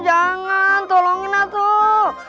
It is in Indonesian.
jangan tolonginlah tuh